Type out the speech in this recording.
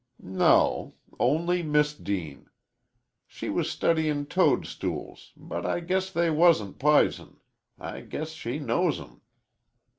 "No; only Miss Deane. She was studyin' tudstools, but I guess they wa'n't pizen. I guess she knows 'em."